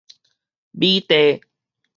米袋